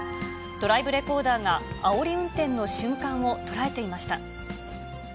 ドライブレコーダーが、あおり運転の瞬間を捉えていました。